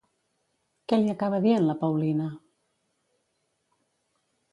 Què li acaba dient, la Paulina?